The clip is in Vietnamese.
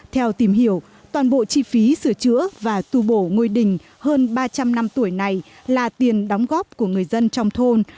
theo tìm hiểu toàn bộ chi phí sửa chữa và tu bổ ngôi đình hơn ba trăm linh năm tuổi này là tiền đóng góp của người dân trong thôn